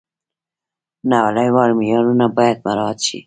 نړیوال معیارونه باید مراعات شي.